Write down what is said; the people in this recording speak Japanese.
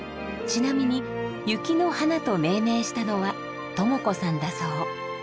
ちなみに「雪の華」と命名したのはトモ子さんだそう。